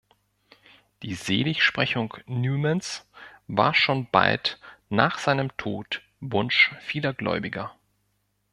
Die Seligsprechung Newmans war schon bald nach seinem Tod Wunsch vieler Gläubiger.